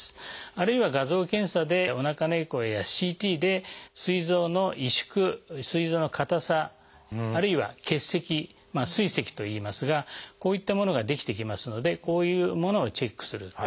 あるいは画像検査でおなかのエコーやＣＴですい臓の萎縮すい臓の硬さあるいは結石「すい石」といいますがこういったものが出来てきますのでこういうものをチェックする。